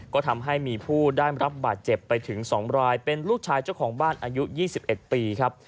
ก็ทำให้มีผู้ได้รับบาดเจ็บไปถึง๒รายเป็นลูกชายเจ้าของบ้านอายุ๒๑ปีครับ